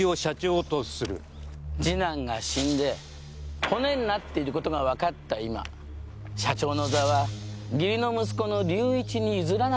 次男が死んで骨になっている事がわかった今社長の座は義理の息子の隆一に譲らなくてはならない。